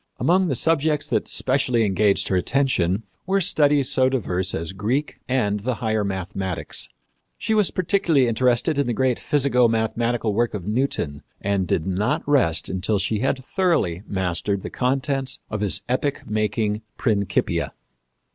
Among the subjects that specially engaged her attention were studies so diverse as Greek and the higher mathematics. She was particularly interested in the great physico mathematical work of Newton, and did not rest until she had thoroughly mastered the contents of his epoch making Principia.